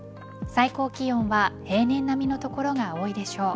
最高気温は平年並みの所が多いでしょう。